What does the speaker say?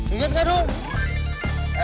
ingat enggak tuh